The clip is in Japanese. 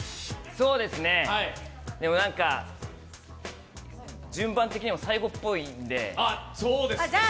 そうですね、でもなんか順番的にも最後っぽいので。